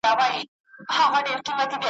دا د شیخانو له دستاره سره نه جوړیږي `